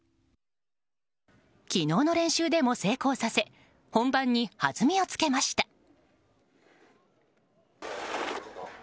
昨日の練習でも成功させ本番にはずみをつけました。